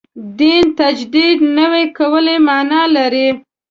دین تجدید نوي کولو معنا لري.